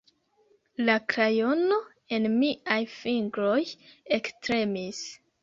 La krajono en miaj fingroj ektremis.